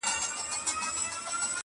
سپي ویله دا قاضي هوښیار انسان دی,